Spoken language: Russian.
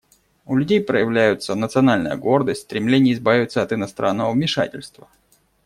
У людей проявляются национальная гордость, стремление избавиться от иностранного вмешательства.